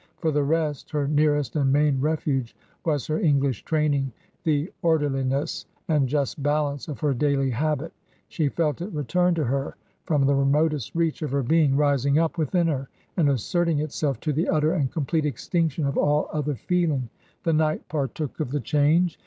For the rest, her nearest and main refuge was her English training, the orderli ness and just balance of her daily habit; she felt it re turn to her from the remotest reach of her being, rising up within her and asserting itself to the utter and complete extinction of all other feeling. The night partook of the change.